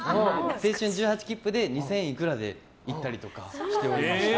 青春１８きっぷで２０００いくらで行ったりとかしています。